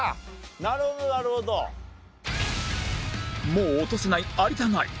もう落とせない有田ナイン